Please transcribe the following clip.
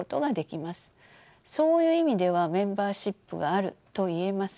そういう意味ではメンバーシップがあると言えます。